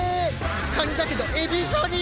カニだけどエビぞり。